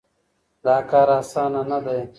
دا کار اسانه نه دی.